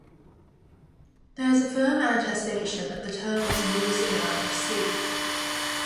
There is firm attestation that the term was used in the Irish Sea.